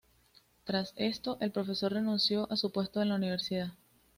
Tras esto, el profesor renunció a su puesto en la universidad.